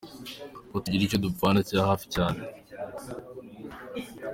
Kuko tugira icyo dupfana bya hafi cyane